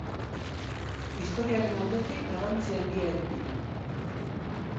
Historiaren aldetik garrantzi handia eduki du.